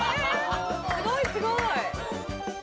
すごいすごい！